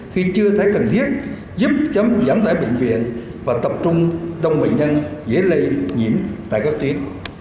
khi chưa thấy cần thiết giúp chấm giảm tải bệnh viện và tập trung đông bệnh nhân dễ lây nhiễm tại các tuyến